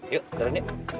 yuk turun yuk